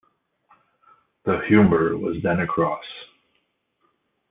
The Humber was then across.